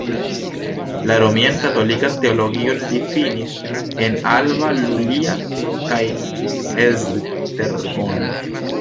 La romian katolikan teologion li finis en Alba Iulia kaj Esztergom.